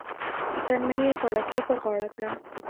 زرمینې غاړه ګۍ په غاړه کړه .